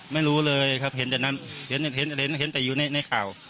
ไม่รู้เลยครับเห็นแต่อยู่ในข่าว